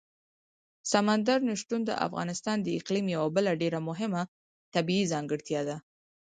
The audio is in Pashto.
سمندر نه شتون د افغانستان د اقلیم یوه بله ډېره مهمه طبیعي ځانګړتیا ده.